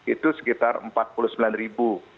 itu sekitar empat puluh sembilan ribu